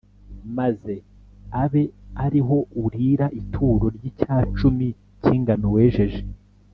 maze abe ari ho urira ituro ry’icya cumi cy’ingano wejeje,